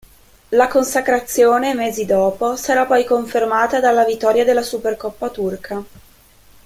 La consacrazione, mesi dopo, sarà poi confermata dalla vittoria della Supercoppa turca.